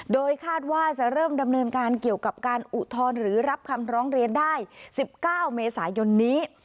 โดยคาดว่าจะเริ่มดำเนินการเกี่ยวกับการอุทธรณ์หรือรับคำร้องเรียนได้๑๙เมษายนนี้